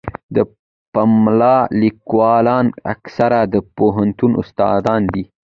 د پملا لیکوالان اکثره د پوهنتون استادان دي.